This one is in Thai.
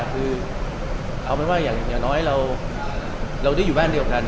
คือเอาเป็นว่าอย่างน้อยเราได้อยู่บ้านเดียวกัน